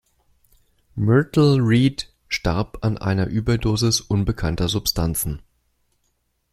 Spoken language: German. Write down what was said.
Myrtle Reed starb an einer Überdosis unbekannter Substanzen.